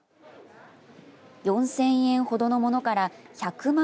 ４０００円ほどのものから１００万